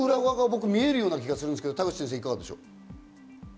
この裏側が僕、見えるような気がするんですけど、いかがでしょう？